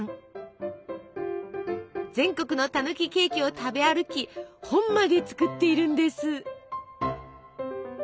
全国のたぬきケーキを食べ歩き本まで作っているんです。